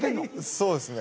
そうですね。